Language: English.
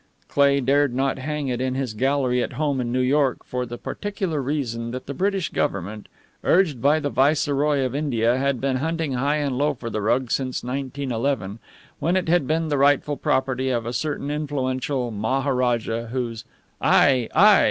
Cleigh dared not hang it in his gallery at home in New York for the particular reason that the British Government, urged by the Viceroy of India, had been hunting high and low for the rug since 1911, when it had been the rightful property of a certain influential maharaja whose _Ai, ai!